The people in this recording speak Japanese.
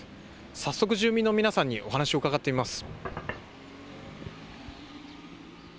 早速、住民の皆さんにお話を伺ってみます。